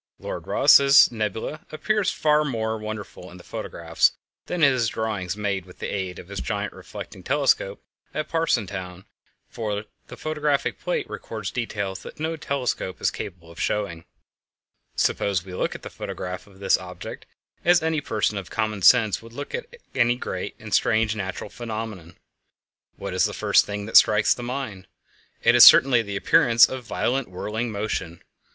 Lord Rosse's nebula appears far more wonderful in the photographs than in his drawings made with the aid of his giant reflecting telescope at Parsonstown, for the photographic plate records details that no telescope is capable of showing. Suppose we look at the photograph of this object as any person of common sense would look at any great and strange natural phenomenon. What is the first thing that strikes the mind? It is certainly the appearance of violent whirling motion.